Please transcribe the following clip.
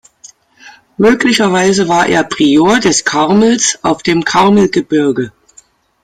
Möglicherweise war er Prior des Karmels auf dem Karmelgebirge.